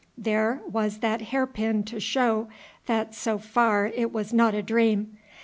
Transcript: There was the hair pin to show that so far it was not a dream.